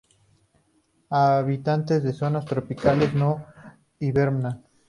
Habitantes de zonas tropicales, no hibernan.